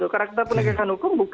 karakter penegakan hukum